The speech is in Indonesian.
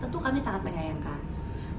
tentu kami sangat menyayangkan